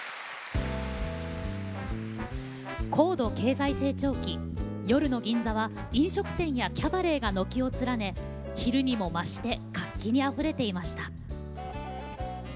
高度経済成長期夜の銀座は飲食店やキャバレーが軒を連ね昼にも増して活気にあふれていました。